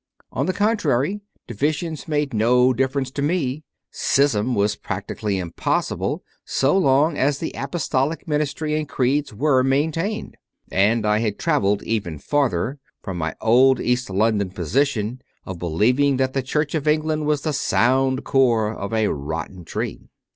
On the contrary, di visions made no difference to me; schism was prac tically impossible so long as the Apostolic ministry and Creeds were maintained; and I had travelled even farther from my old East London position of believing that the Church of England was the sound core of a rotten tree.